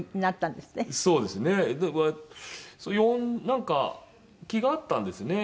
なんか気が合ったんですね。